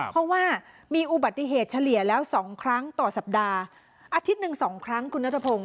เพราะว่ามีอุบัติเหตุเฉลี่ยแล้ว๒ครั้งต่อสัปดาห์อาทิตย์หนึ่งสองครั้งคุณนัทพงศ